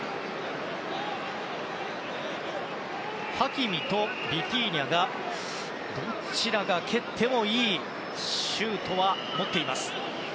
ハキミとビティーニャがどちらが蹴ってもいいシュートは持っています。